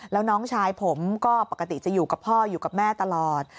แล้วน้องชายผมก็ปกติจะอยู่กับพ่ออยู่กับแม่ตลอด